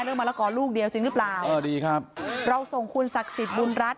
มะละกอลูกเดียวจริงหรือเปล่าเออดีครับเราส่งคุณศักดิ์สิทธิ์บุญรัฐ